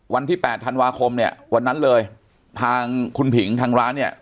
วันที่แปดธันวาคมเนี่ยวันนั้นเลยทางคุณผิงทางร้านเนี่ย